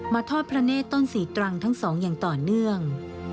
ทอดพระเนธต้นศรีตรังทั้งสองอย่างต่อเนื่อง